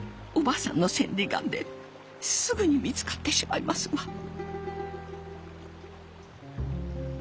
お婆さんの千里眼ですぐに見つかってしまいますわ。